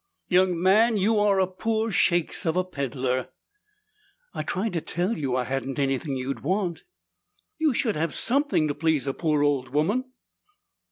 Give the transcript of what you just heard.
"Young man, you are a poor shakes of a peddler." "I tried to tell you I hadn't anything you'd want." "You should have somethin' to please a poor old woman."